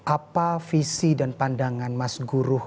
apa visi dan pandangan mas guru